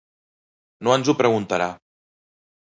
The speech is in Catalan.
No ens ho preguntarà.